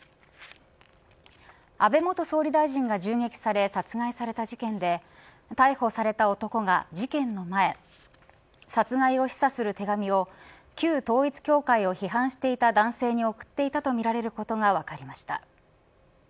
安倍元総理大臣が銃撃され殺害された事件で逮捕された男が事件の前、殺害を示唆する手紙を旧統一教会を批判していた男性に送っていたとみられることが分かりました。